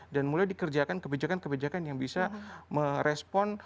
dan mulai dikerjakan kebijakan kebijakan yang bisa merespon